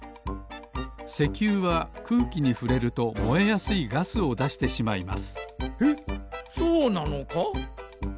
石油は空気にふれるともえやすいガスをだしてしまいますえっそうなのか？